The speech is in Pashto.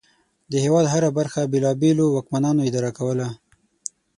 د هېواد هره برخه بېلابېلو واکمنانو اداره کوله.